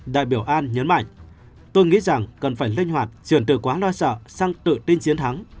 đại biểu an nhấn mạnh tôi nghĩ rằng cần phải linh hoạt chuyển từ quá lo sợ sang tự tin chiến thắng